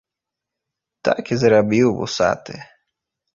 Так і зрабіў вусаты.